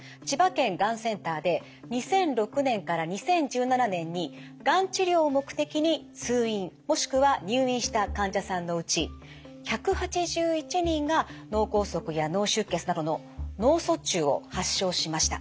千葉県がんセンターで２００６年から２０１７年にがん治療を目的に通院もしくは入院した患者さんのうち１８１人が脳梗塞や脳出血などの脳卒中を発症しました。